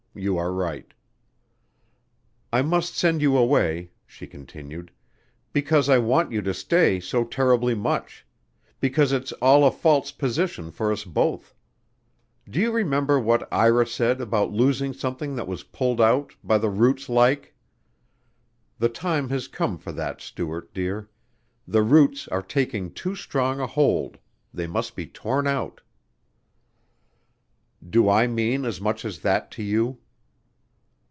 You are right." "I must send you away," she continued, "because I want you to stay so terribly much because it's all a false position for us both.... Do you remember what Ira said about losing something that was pulled out ... 'by the roots, like'?... The time has come for that Stuart, dear ... the roots are taking too strong a hold ... they must be torn out." "Do I mean as much as that to you?"